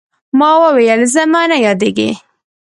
ما وويل زما نه يادېږي.